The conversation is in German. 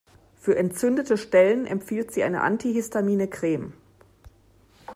Für entzündete Stellen empfiehlt sie eine antihistamine Creme.